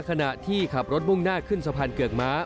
ขณะที่ขับรถมุ่งหน้าขึ้นสะพานเกือกม้า